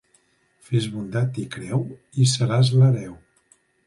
Fes bondat i creu, i seràs l'hereu.